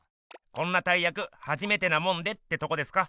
こんな大やくはじめてなもんでってとこですか？